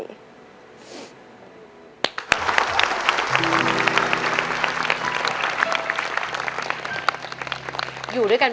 ขอบคุณครับ